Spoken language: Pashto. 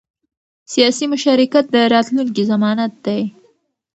سیاسي مشارکت د راتلونکي ضمانت دی